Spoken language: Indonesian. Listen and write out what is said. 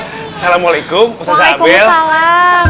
assalamualaikum ustaz abel waalaikumsalam